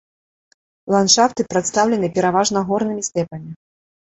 Ландшафты прадстаўлены пераважна горнымі стэпамі.